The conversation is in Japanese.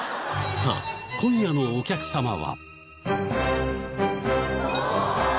さあ、今夜のお客様は。